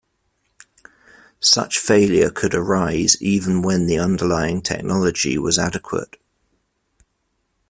Such failure could arise even when the underlying technology was adequate.